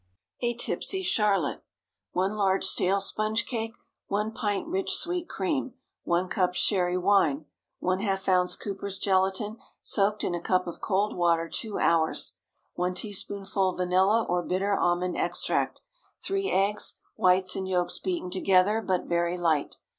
A TIPSY CHARLOTTE. ✠ 1 large stale sponge cake. 1 pint rich sweet cream. 1 cup Sherry wine. ½ oz. Cooper's gelatine, soaked in a cup of cold water two hours. 1 teaspoonful vanilla or bitter almond extract. 3 eggs, whites and yolks beaten together, but very light.